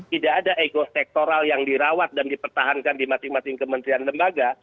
tidak ada ego sektoral yang dirawat dan dipertahankan di masing masing kementerian lembaga